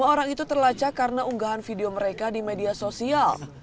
sepuluh orang itu terlacak karena unggahan video mereka di media sosial